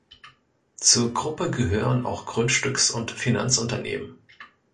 Zur Gruppe gehören auch Grundstücks- und Finanzunternehmen.